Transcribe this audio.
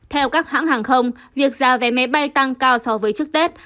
theo các hãng hàng không việc giá vé máy bay tăng cao so với trước tết